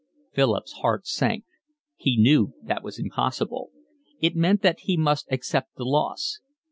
Philip's heart sank. He knew that was impossible. It meant that he must accept the loss.